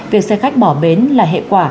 việc xe khách bỏ bến là hệ quả